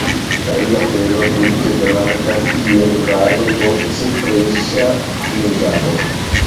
Ria felo tute blankas, kiel valo post freŝa neĝado.